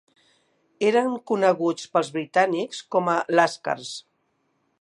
Eren coneguts pels britànics com "lascars".